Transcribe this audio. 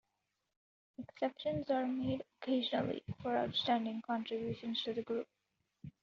Exceptions were made occasionally for outstanding contributions to the Group.